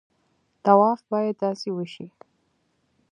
طواف باید داسې وشي.